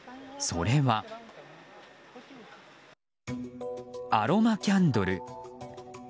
それは、アロマキャンドル。